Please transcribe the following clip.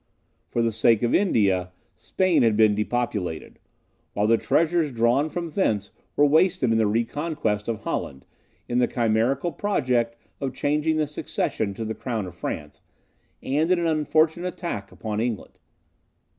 For the sake of India, Spain had been depopulated, while the treasures drawn from thence were wasted in the re conquest of Holland, in the chimerical project of changing the succession to the crown of France, and in an unfortunate attack upon England.